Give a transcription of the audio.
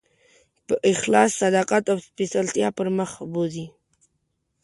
په اخلاص، صداقت او سپېڅلتیا پر مخ بوځي.